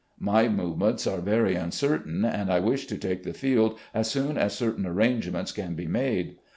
... My movements are very imcertain, and I wish to take the field as soon as certain arrangements can be made.